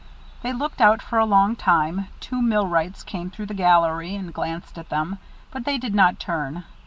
They looked out for a long time. Two millwrights came through the gallery, and glanced at them, but they did not turn.